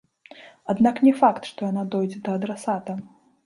Аднак не факт, што яна дойдзе да адрасата.